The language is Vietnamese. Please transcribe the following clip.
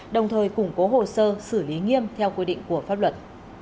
đồng thời củng cố hồ sơ xử lý nghiêm theo quy định của pháp luật